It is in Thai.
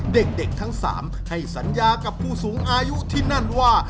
เด็กทั้ง๓ให้สัญญากับผู้สูงอายุที่นั่นว่า